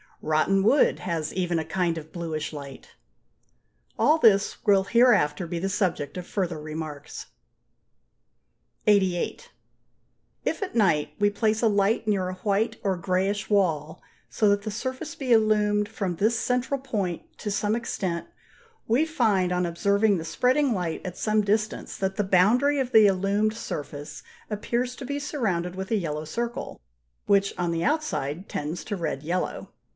Rotten wood has even a kind of bluish light. All this will hereafter be the subject of further remarks. 88. If at night we place a light near a white or greyish wall so that the surface be illumined from this central point to some extent, we find, on observing the spreading light at some distance, that the boundary of the illumined surface appears to be surrounded with a yellow circle, which on the outside tends to red yellow.